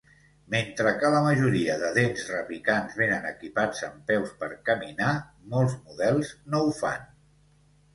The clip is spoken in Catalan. Mentre que la majoria de dents repicants venen equipats amb peus per caminar, molts models no ho fan.